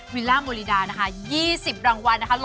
วิลล่าโมรีดานะคะ๒๐รางวัล